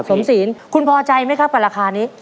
สมสีรคุณพอใจไหมครับราคานี้